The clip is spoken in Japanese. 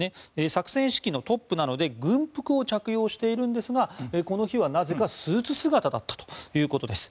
作戦指揮のトップなので軍服を着用しているんですがこの日は、なぜかスーツ姿だったということです。